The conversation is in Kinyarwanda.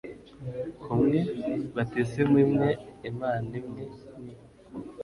kumwe, batisimu imwe, imana imwe, ni